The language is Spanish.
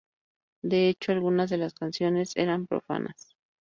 De hecho, algunas de las canciones eran profanas.